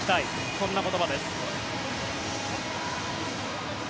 そんな言葉です。